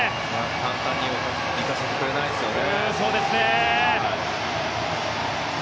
簡単に行かせてくれないですよね。